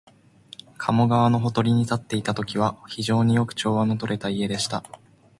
加茂川のほとりに建っていたときは、非常によく調和のとれた家でした